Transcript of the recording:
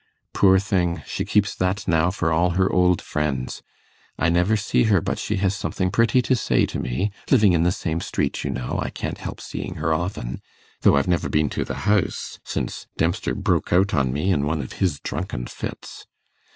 Poor thing, she keeps that now for all her old friends. I never see her but she has something pretty to say to me living in the same street, you know, I can't help seeing her often, though I've never been to the house since Dempster broke out on me in one of his drunken fits.